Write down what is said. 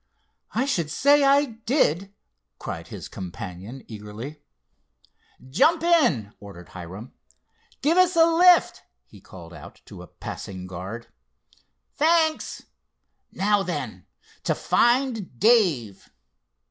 "I should say I did!" cried his companion eagerly. "Jump in," ordered Hiram. "Give us a lift," he called out to a passing guard. "Thanks. Now then, to find Dave!"